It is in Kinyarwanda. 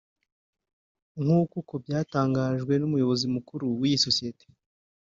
nk’uko uko byatangajwe n’umuyobozi mukuru w’iyi sosiyete